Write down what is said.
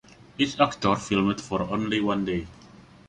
Each actor filmed for only one day.